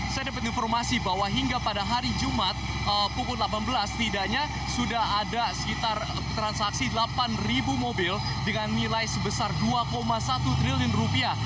saya dapat informasi bahwa hingga pada hari jumat pukul delapan belas setidaknya sudah ada sekitar transaksi delapan mobil dengan nilai sebesar dua satu triliun rupiah